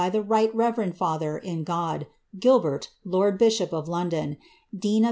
tlie right reverend father in God, Gilbert, lord bishop of Londonf dean of U?